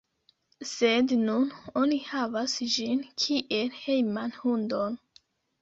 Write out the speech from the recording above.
Sed nun oni havas ĝin kiel hejman hundon.